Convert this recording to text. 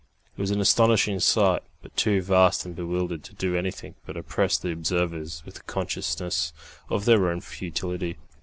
It was an astonishing sight, but too vast and bewildering to do anything but oppress the observers with a consciousness of their own futility.